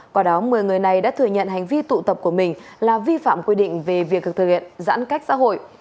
quả đó một mươi người này đã thừa nhận hành vi tụ tập của mình là vi phạm quy định về việc thực hiện giãn cách xã hội